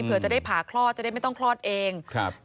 เพื่อจะได้ผ่าคลอดจะได้ไม่ต้องคลอดเองครับ